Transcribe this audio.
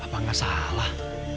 apa gak salah